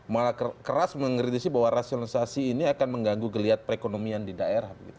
malah keras mengkritisi bahwa rasionalisasi ini akan mengganggu geliat perekonomian di daerah